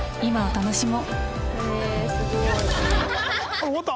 あっ終わった！